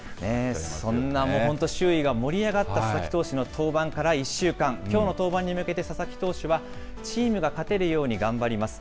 そんな周囲が盛り上がった佐々木投手の登板から１週間、きょうの登板に向けて、佐々木投手は、チームが勝てるように頑張ります。